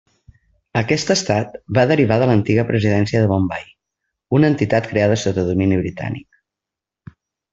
Aquest estat va derivar de l'antiga presidència de Bombai, una entitat creada sota domini britànic.